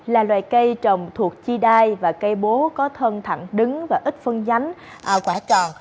là loài cây trồng thuộc chi đai và cây bú có thân thẳng đứng và ít phân nhánh quả tròn